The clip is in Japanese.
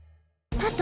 パパ！？